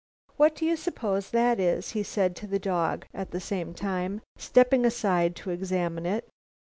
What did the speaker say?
"What do you suppose that is?" he said to the dog, at the same time stepping aside to examine it.